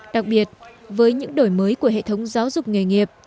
đặc biệt với những đổi mới của hệ thống giáo dục nghề nghiệp